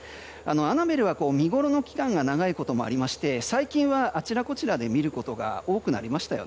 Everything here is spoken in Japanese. アナベルは見ごろの期間が長いこともありまして最近はあちらこちらで見ることも多くなりました。